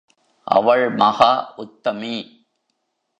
அவள் மகா உத்தமி!